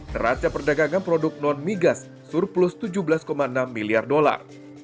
neraca perdagangan produk non migas surplus tujuh belas enam miliar dolar